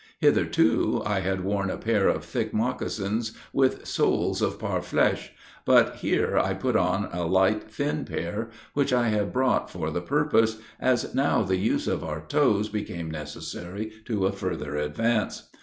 Hitherto, I had worn a pair of thick moccasins, with soles of parfleche, but here I put on a light, thin pair, which I had brought for the purpose, as now the use of our toes became necessary to a further advance.